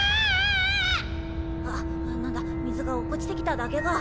あっ何だ水が落っこちてきただけか。